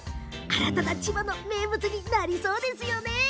新たな千葉の名物になりそうですよね。